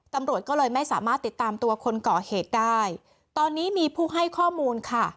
ตำรวจก็เลยไม่สามารถติดตามตัวคนก่อเหตุได้ตอนนี้มีผู้ให้ข้อมูลค่ะ